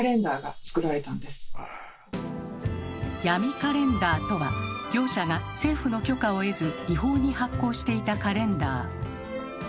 「ヤミカレンダー」とは業者が政府の許可を得ず違法に発行していたカレンダー。